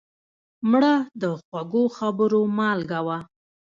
مړه د خوږو خبرو مالګه وه